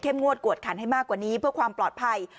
งวดกวดขันให้มากกว่านี้เพื่อความปลอดภัย